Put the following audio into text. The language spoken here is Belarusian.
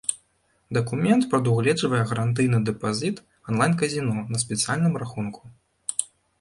Дакумент прадугледжвае гарантыйны дэпазіт онлайн-казіно на спецыяльным рахунку.